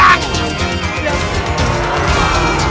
takkan petek takkan petek